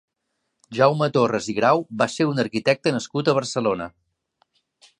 Jaume Torres i Grau va ser un arquitecte nascut a Barcelona.